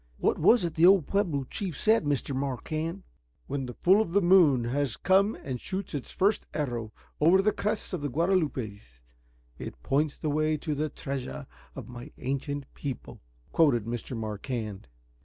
"What was it the old Pueblo chief said, Mr. Marquand?" "'When the full of the moon has come and shoots its first arrow over the crests of the Guadalupes, it points the way to the treasure of my ancient people,'" quoted Mr. Marquand.